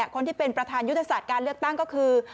คนที่เป็นประธานยุทธศาสตร์การเลือกตั้งก็คือ